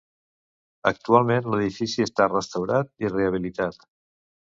Actualment l'edifici està restaurat i rehabilitat.